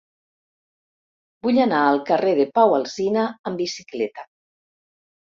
Vull anar al carrer de Pau Alsina amb bicicleta.